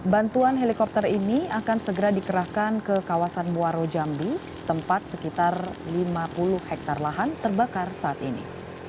bantuan helikopter ini akan segera dikerahkan ke kawasan muaro jambi tempat sekitar lima puluh hektare lahan terbakar saat ini